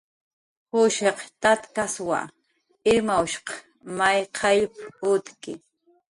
"Jushiq tatkaswa, Irmawshq may qayllp"" utki"